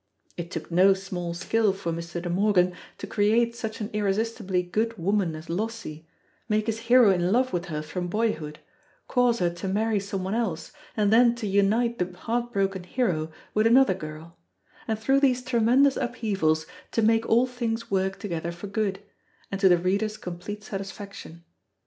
It took no small skill for Mr. De Morgan to create such an irresistibly good woman as Lossie, make his hero in love with her from boyhood, cause her to marry some one else, and then to unite the heart broken hero with another girl; and through these tremendous upheavals to make all things work together for good, and to the reader's complete satisfaction.